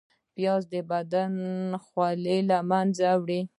پیاز د بدن خولې له منځه وړي